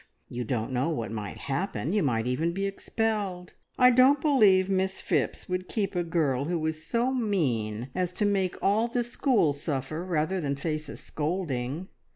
You don't know what might happen you might even be expelled! I don't believe Miss Phipps would keep a girl who was so mean as to make all the school suffer rather than face a scolding.